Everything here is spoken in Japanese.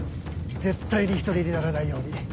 絶対に１人にならないように。